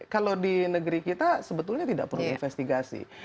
kalau di negeri kita sebetulnya tidak perlu investigasi